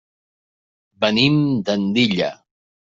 Venim d'Andilla.